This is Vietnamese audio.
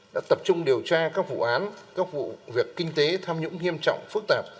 đã tập trung điều tra các vụ án các vụ việc kinh tế tham nhũng nghiêm trọng phức tạp